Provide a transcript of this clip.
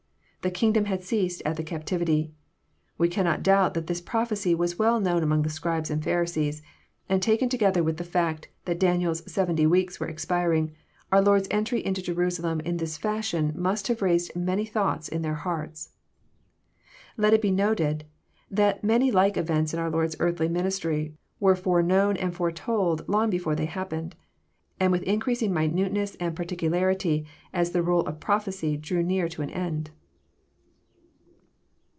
The kingdom had ceased at the captivity. We cannot doubt that this prophecy was well known among the Scribes and Pharisees, and taken together with the fact that Daniel's 70 weeks were expiring, our Lord's entry into Jerusalem in this fashion must have raised many thoughts in their hearts. Let it be noted that many like events in our Lord's earthly ministry were foreknown and foretold long before they happened, and with increasing minuteness and particularity as the roll of prophecy drew near to an end.